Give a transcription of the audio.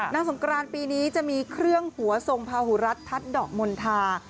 สงกรานปีนี้จะมีเครื่องหัวทรงพาหูรัฐทัศน์ดอกมณฑา